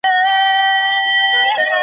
نوي غوټۍ به له منګولو د ملیاره څارې .